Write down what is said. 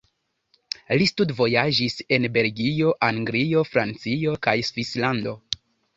Li studvojaĝis en Belgio, Anglio, Francio kaj Svislando.